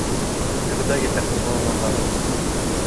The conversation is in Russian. Никогда я так не волновалась.